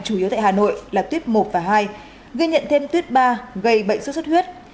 chủ yếu tại hà nội là tuyết một và hai ghi nhận thêm tuyết ba gây bệnh sốt xuất huyết